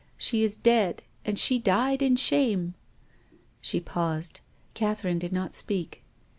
She is dead and she died in shame." She paused. Catherine did not speak.